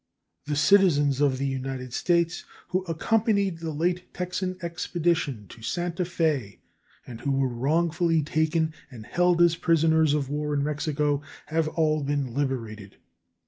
The citizens of the United States who accompanied the late Texan expedition to Santa Fe, and who were wrongfully taken and held as prisoners of war in Mexico, have all been liberated.